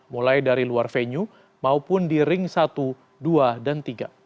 mulai dari luar venue maupun di ring satu dua dan tiga